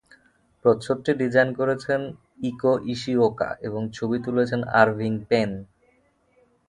প্রচ্ছদটি design করেছেন Eiko Ishioka এবং ছবি তুলেছেন আরভিং পেন।